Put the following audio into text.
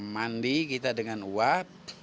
mandi kita dengan uap